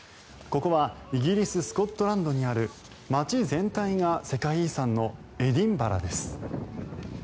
ここはイギリス・スコットランドにある街全体が世界遺産のエディンバラです。